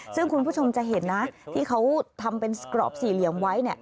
ซึ่งคุณผู้ชมจะเห็นนะที่เขาทำเป็นกรอบสี่เหลี่ยมไว้